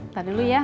ntar dulu ya